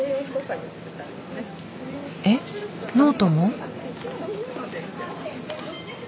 えっノートも？